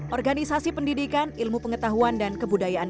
organisasi pendidikan ilmu pengetahuan dan kebudayaan